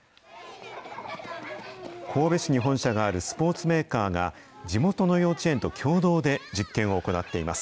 神戸市に本社があるスポーツメーカーが、地元の幼稚園と共同で実験を行っています。